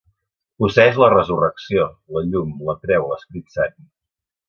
Posseeix la Resurrecció, la Llum, la Creu, l'Esperit Sant.